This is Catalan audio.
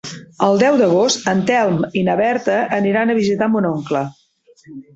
El deu d'agost en Telm i na Berta aniran a visitar mon oncle.